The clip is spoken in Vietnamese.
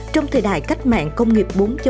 trong thời đại cách mạng công nghiệp bốn